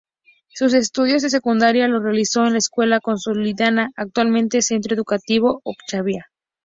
Sus estudios de secundaria los realizó en la Escuela Consolidada, actualmente Centro Educativo Ochagavía.